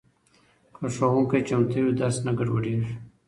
که ښوونکی چمتو وي، درس نه ګډوډېږي.